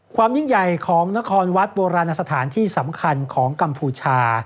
ความยิ่งใหญ่ของนครวัดโบราณสถานที่สำคัญของกัมพูชา